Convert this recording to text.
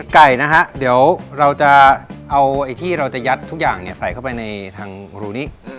ไก่นะฮะเดี๋ยวเราจะเอาไอ้ที่เราจะยัดทุกอย่างใส่เข้าไปในทางรูนี้